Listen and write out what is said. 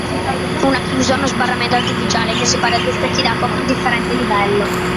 Una chiusa è uno sbarramento artificiale che separa due specchi d'acqua con differente livello.